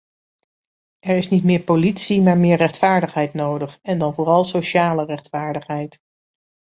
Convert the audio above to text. Er is niet meer politie maar meer rechtvaardigheid nodig, en dan vooral sociale rechtvaardigheid.